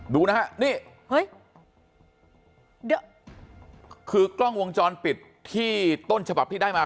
ดูนะฮะนี่เฮ้ยเดี๋ยวคือกล้องวงจรปิดที่ต้นฉบับที่ได้มา